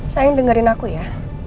sayang dengerin aku ya